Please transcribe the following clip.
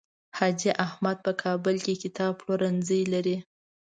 حاجي احمد په کابل کې کتاب پلورنځی لري.